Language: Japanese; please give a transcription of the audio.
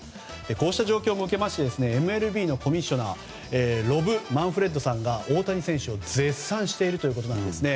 こうした状況も受けましてＭＬＢのコミッショナーロブ・マンフレッドさんが大谷選手を絶賛しているということなんですね。